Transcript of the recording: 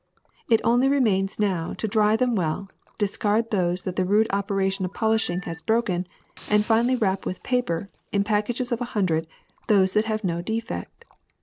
It only remains now to dry them well, discard those that the rude operation of polish ing has broken, and finally wrap with paper, in pack ages of a hundred, those that have no defect.